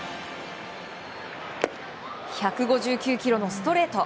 １５９キロのストレート。